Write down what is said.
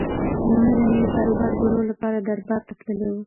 لومړی د نوي کاروبار جوړولو لپاره دربار ته تللی و